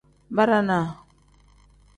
Barana.